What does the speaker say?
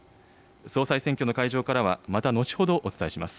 総裁選挙の会場からは、また後ほどお伝えします。